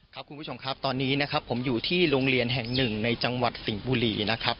คุณผู้ชมครับตอนนี้นะครับผมอยู่ที่โรงเรียนแห่งหนึ่งในจังหวัดสิงห์บุรีนะครับ